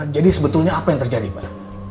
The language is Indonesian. jadi sebetulnya apa yang terjadi pak